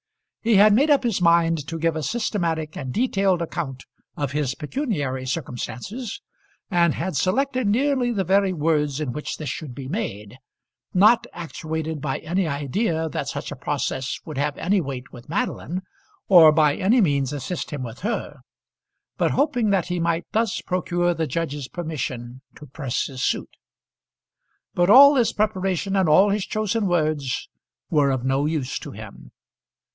He had made up his mind to give a systematic and detailed account of his pecuniary circumstances, and had selected nearly the very words in which this should be made, not actuated by any idea that such a process would have any weight with Madeline, or by any means assist him with her, but hoping that he might thus procure the judge's permission to press his suit. But all this preparation and all his chosen words were of no use to him.